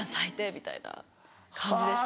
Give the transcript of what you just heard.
みたいな感じでした。